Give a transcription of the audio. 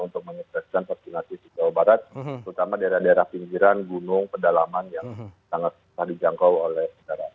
untuk menyukseskan vaksinasi di jawa barat terutama daerah daerah pinggiran gunung pedalaman yang sangat dijangkau oleh negara